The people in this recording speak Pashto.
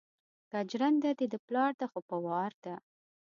که جرنده دې د پلار ده خو په وار ده